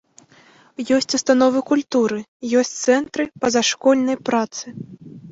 Ёсць установы культуры, ёсць цэнтры пазашкольнай працы.